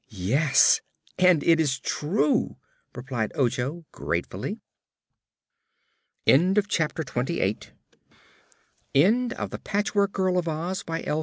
"Yes; and it is true!" replied Ojo, gratefully. End of Project Gutenberg's The Patchwork Girl of Oz, by L.